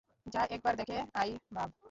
যা একবার দেখে আই, বাব।